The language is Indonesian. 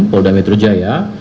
polda metru jaya